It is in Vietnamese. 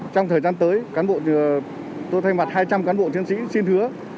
trong thời gian tới tôi thay mặt hai trăm linh cán bộ chiến sĩ xin hứa